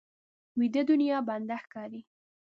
ویده دنیا بنده ښکاري